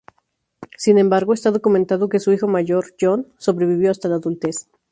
Sin embargo, está documentado que su hijo mayor, John, sobrevivió hasta la adultez.